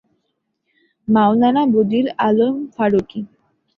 Maulana Badiul Alam Farooki.